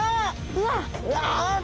うわっ！